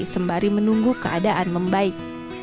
sembari menunggu keadaan membaik